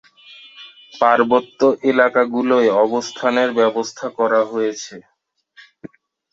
পার্বত্য এলাকাগুলোয় অবস্থানের ব্যবস্থা করা হয়েছে।